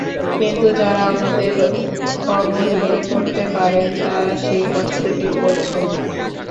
কিন্তু যাঁরা আমাদের অবহিত করতে পারেন, তাঁরা সেই কষ্টটি করছেন না।